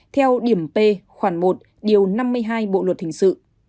theo điểm p khoảng một điều năm mươi hai bộ luật hình sự